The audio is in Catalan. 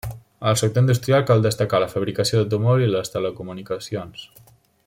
Al sector industrial cal destacar la fabricació d'automòbils i les telecomunicacions.